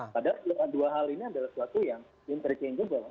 padahal dua hal ini adalah sesuatu yang interchangeable